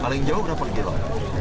paling jauh berapa km